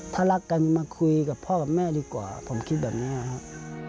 ถ้ารักกันมาคุยกับพ่อกับแม่ดีกว่าผมคิดแบบนี้ครับ